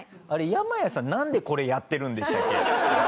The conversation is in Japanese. ヤマヤさんなんでこれやってるんでしたっけ？